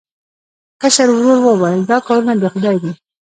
کشر ورور وویل دا کارونه د خدای دي.